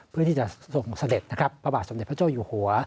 เพื่อที่จะส่งเสด็จนะครับพระบาทสมเด็จพระเจ้าอยู่หัว